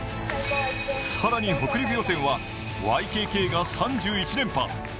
更に北陸予選はＹＫＫが３１連覇。